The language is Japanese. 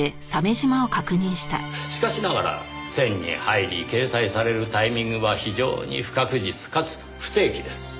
しかしながら選に入り掲載されるタイミングは非常に不確実かつ不定期です。